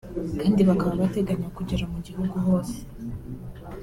kandi bakaba bateganya kugera mu gihugu hose